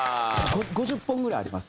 ５０本ぐらいあります